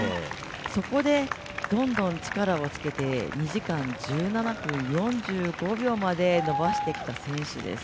そこでどんどん力をつけて２時間１７分４５秒まで伸ばしてきた選手です。